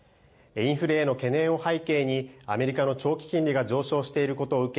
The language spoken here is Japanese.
インフレへの懸念を背景にアメリカの長期金利が上昇していることを受け